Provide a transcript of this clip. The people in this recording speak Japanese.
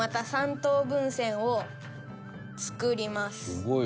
すごい。